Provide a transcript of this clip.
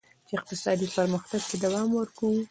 چین اقتصادي پرمختګ ته دوام ورکوي.